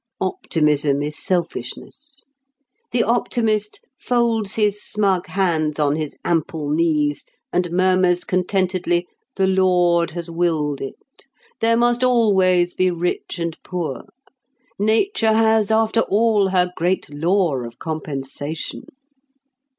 Optimism is selfishness. The optimist folds his smug hands on his ample knees, and murmurs contentedly, "The Lord has willed it;" "There must always be rich and poor;" "Nature has, after all, her great law of compensation."